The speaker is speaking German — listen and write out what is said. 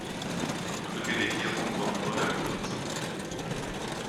Die Privilegierung kommt nur der Mutter zugute.